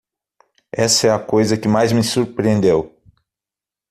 Essa é a coisa que mais me surpreendeu.